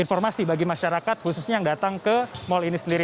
informasi bagi masyarakat khususnya yang datang ke mall ini sendiri